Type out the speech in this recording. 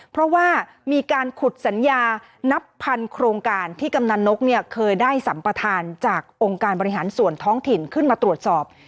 เพราะว่ามีการขุดสัญญานับพันโครงการที่กำนันนกเนี่ยเคยได้สัมประธานจากองค์การบริหารส่วนท้องถิ่นขึ้นมาตรวจสอบ